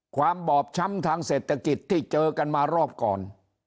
บอบช้ำทางเศรษฐกิจที่เจอกันมารอบก่อน